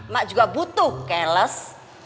mak juga butuh keles